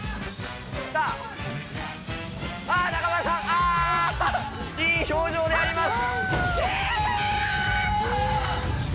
さあ、さあ、中丸さん、あー、いい表情であります。